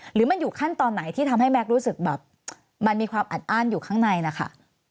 หรือมันอยู่ขั้นตอนไหนที่ทำให้แม็กซ์รู้สึกแบบมันมีความอัดอ้านอยู่ข้างในนะคะ